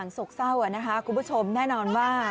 อย่างโทษส้าวนะคะคุณผู้ชมแน่นอนว่า